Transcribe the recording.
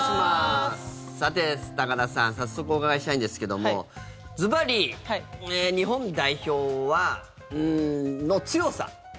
さて、高田さん早速お伺いしたいんですけれどもずばり日本代表の強さ。